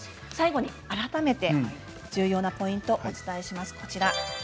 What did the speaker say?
最後に改めて重要なポイントをお伝えします。